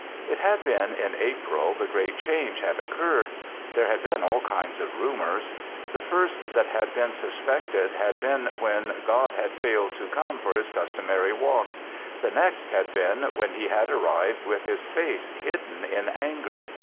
It had been in April the great change had occurred. There had been all kinds of rumours. The first that had been suspected had been when God had failed to come for His customary walk; the next had been when He had arrived with His face hidden in anger.